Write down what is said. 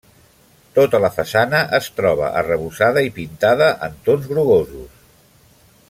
Tota la façana es troba arrebossada i pintada en tons grogosos.